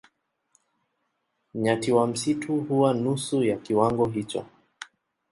Nyati wa msitu huwa nusu ya kiwango hicho.